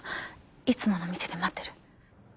いつもの店で待ってる。